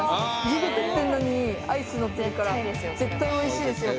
湯気たってるのにアイスのってるから絶対おいしいですよ